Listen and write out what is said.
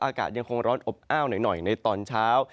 อากาศยังคงร้อนอบอ้าวหน่อยในตอนเช้า